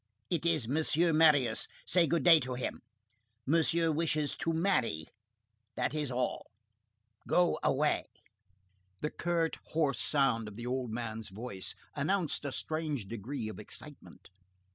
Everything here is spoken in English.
It is Monsieur Marius. Say good day to him. Monsieur wishes to marry. That's all. Go away." The curt, hoarse sound of the old man's voice announced a strange degree of excitement.